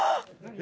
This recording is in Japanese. え！